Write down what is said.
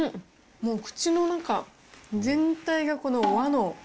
もう口の中全体がこの和の。